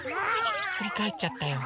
ひっくりかえっちゃったよ。